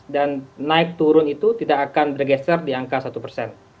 dan naik turun itu tidak akan bergeser di angka satu persen